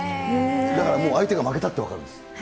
だからもう相手が負けたって分かるんです。